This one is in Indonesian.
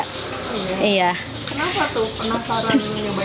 kenapa tuh penasaran mencoba ini